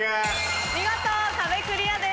見事壁クリアです。